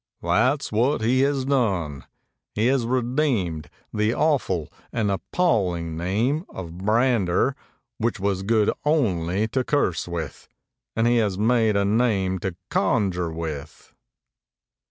"That's what he has done. He has redeemed the awful and appalling name of Brander, which was good only to curse with and he has made it a name to conjure with